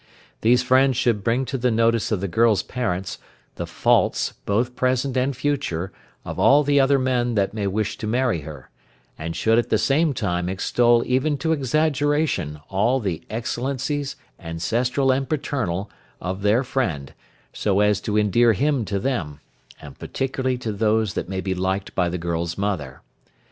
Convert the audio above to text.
These friends should bring to the notice of the girl's parents, the faults, both present and future, of all the other men that may wish to marry her, and should at the same time extol even to exaggeration all the excellencies, ancestral, and paternal, of their friend, so as to endear him to them, and particularly to those that may be liked by the girl's mother.